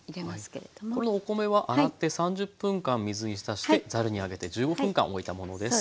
このお米は洗って３０分間水にひたしてざるに上げて１５分間おいたものです。